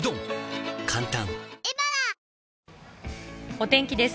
お天気です。